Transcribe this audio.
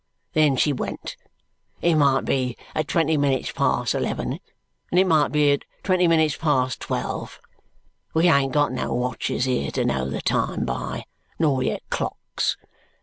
Then she went it might be at twenty minutes past eleven, and it might be at twenty minutes past twelve; we ain't got no watches here to know the time by, nor yet clocks.